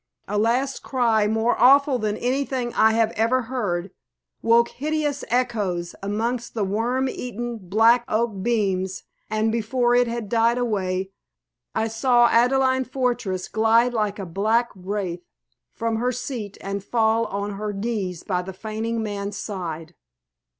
A last cry, more awful than anything I have ever heard, woke hideous echoes amongst the wormeaten, black oak beams, and before it had died away, I saw Adelaide Fortress glide like a black wraith from her seat and fall on her knees by the fainting man's side.